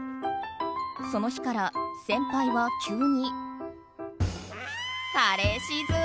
その日から、先輩は急に。